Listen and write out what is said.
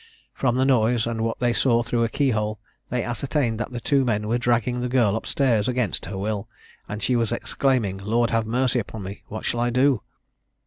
From the noise, and what they saw through a keyhole, they ascertained that the two men were dragging the girl up stairs against her will, and she was exclaiming, "Lord have mercy upon me! what shall I do?"